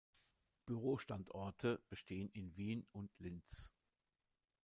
Büro-Standorte bestehen in Wien und Linz.